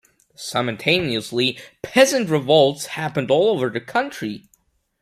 Simultaneously, peasant revolts happened all over the country.